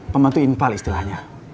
pembantu infal istilahnya